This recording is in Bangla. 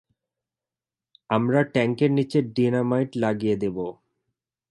আমরা ট্যাঙ্কের নীচে ডিনামাইট লাগিয়ে দেবো।